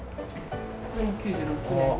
これも９６年の。